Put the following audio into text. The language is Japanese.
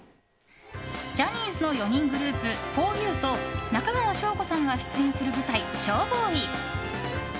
ジャニーズの４人グループふぉゆと中川翔子さんが出演する舞台「ＳＨＯＷＢＯＹ」。